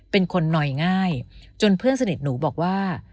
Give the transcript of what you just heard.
เป็นคนหน่อยง่ายจนเพื่อนสนิทหนูบอกว่า